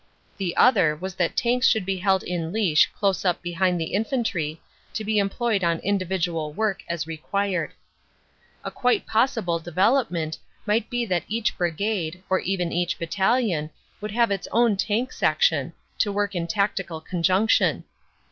The other was that the tanks should be held in leash close up behind the infantry, to be employed on individual work as required. 92 CANADA S HUNDRED DAYS A quite possible development might be that each brigade, or even each battalion, would have its own tank section, to work in tactical conjunction.